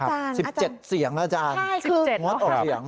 อาจารย์อาจารย์๑๗เสียงแล้วอาจารย์